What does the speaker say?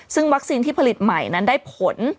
ซึ่งวัคซีนที่ผลิตใหม่นั้นได้ผล